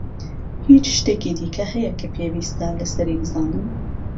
هیچ شتێکی دیکە هەیە کە پێویستە لەسەری بزانم؟